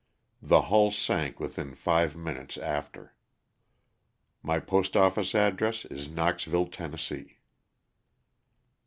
The hull sank within five minutes after. My postoffice address is Knoxville, Tenn. ASA E.